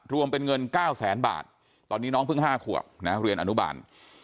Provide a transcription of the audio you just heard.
รวมเป็นเงิน๙แสนบาทตอนนี้น้องเพิ่ง๕ขวบนะเรียนอนุบาล